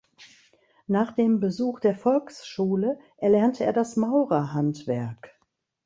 Nach dem Besuch der Volksschule erlernte er das Maurerhandwerk.